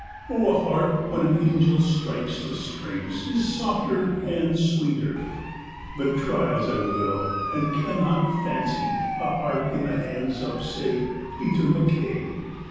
O a harp when an angel strikes the strings Is softer and sweeter, but try As I will, I cannot fancy a harp In the hands of, say, Peter MacKay.